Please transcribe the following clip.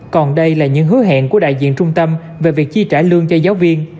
còn đây là những hứa hẹn của đại diện trung tâm về việc chi trả lương cho giáo viên